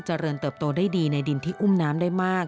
เจริญเติบโตได้ดีในดินที่อุ้มน้ำได้มาก